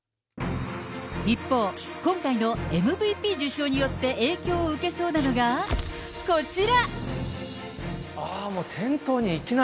一方、今回のＭＶＰ受賞によって影響を受けそうなのが、こちら。